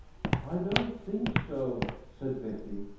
"I don't think so," said Betty.